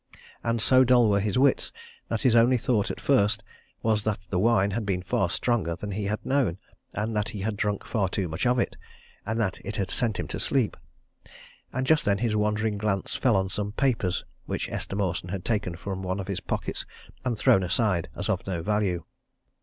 And so dull were his wits that his only thought at first was that the wine had been far stronger than he had known, and that he had drunk far too much of it, and that it had sent him to sleep and just then his wandering glance fell on some papers which Esther Mawson had taken from one of his pockets and thrown aside as of no value.